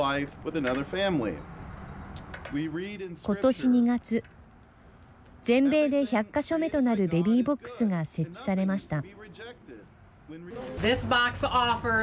ことし２月全米で１００か所目となるベビーボックスが設置されました。